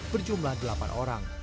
berjumlah delapan orang